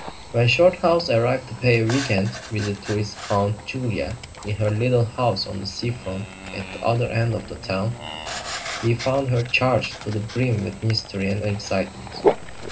When Shorthouse arrived to pay a "week end" visit to his Aunt Julia in her little house on the sea front at the other end of the town, he found her charged to the brim with mystery and excitement.